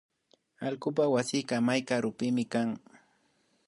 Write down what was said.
Allkupak wasika may karupimi kan